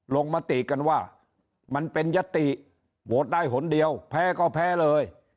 มติกันว่ามันเป็นยติโหวตได้หนเดียวแพ้ก็แพ้เลย